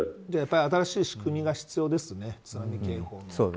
じゃあ、やっぱり新しい仕組みが必要ですね。